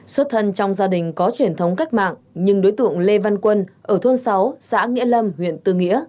xuất thân trong gia đình có truyền thống cách mạng nhưng đối tượng lê văn quân ở thôn sáu xã nghĩa lâm huyện tư nghĩa